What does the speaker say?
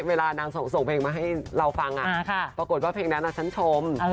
เวลานางส่งเพลงมาให้เราฟังปรากฏว่าเพลงนั้นฉันชม